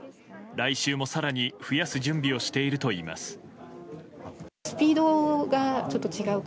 来週も更に増やす準備をしているといいます。